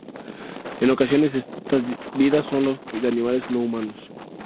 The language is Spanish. En ocasiones estas vidas son las de animales no humanos.